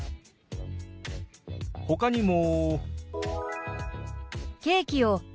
ほかにも。